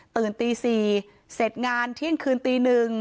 ตื่นตี๔เสร็จงานเที่ยงคืนตี๑